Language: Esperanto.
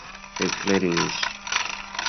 eklernis